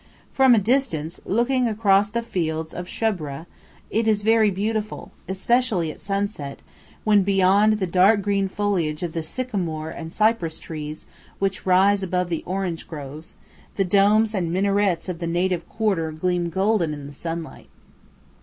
From a distance, looking across the fields of Shoubra, it is very beautiful, especially at sunset, when beyond the dark green foliage of the sycamore and cypress trees which rise above the orange groves, the domes and minarets of the native quarter gleam golden in the sunlight.